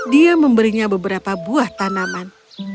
dia memberinya beberapa buah tanaman